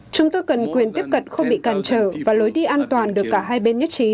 chúng tôi cần quyền tiếp cận không bị cản trở và lối đi an toàn được cả hai bên nhất trí